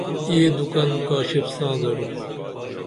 یہ دُکن کاشف ساں درو